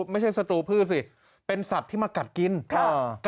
สตรูพืชสิเป็นสัตว์ที่มากัดกินค่ะ